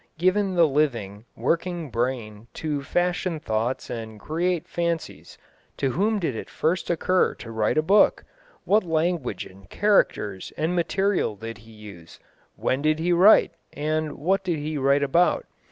Given the living, working brain to fashion thoughts and create fancies, to whom did it first occur to write a book, what language and characters and material did he use, when did he write, and what did he write about?